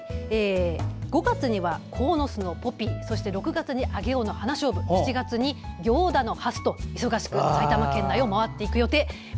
５月に鴻巣のポピー６月に上尾の花しょうぶ７月に行田のハスと忙しく埼玉県内を回っていく予定です。